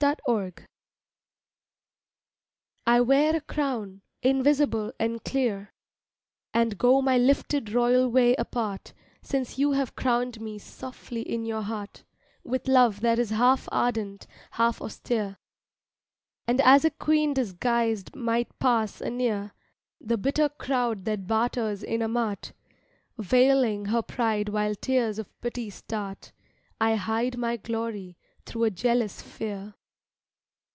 CROWNED I WEAR a crown invisible and clear, And go my lifted royal way apart Since you have crowned me softly in your heart With love that is half ardent, half austere; And as a queen disguised might pass anear The bitter crowd that barters in a mart, Veiling her pride while tears of pity start, I hide my glory thru a jealous fear.